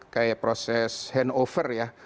kayak proses hand over ya